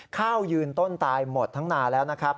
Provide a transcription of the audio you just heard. ข้าวยืนต้นตายหมดทั้งนานแล้วนะครับ